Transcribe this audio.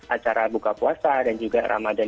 acara buka puasa dan juga ramadan